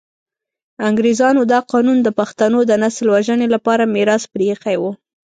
انګریزانو دا قانون د پښتنو د نسل وژنې لپاره میراث پرې ایښی وو.